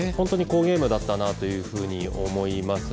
好ゲームだったと思います。